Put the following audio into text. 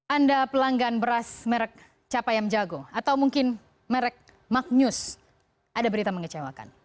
anda pelanggan beras merek capayam jago atau mungkin merek magnus ada berita mengecewakan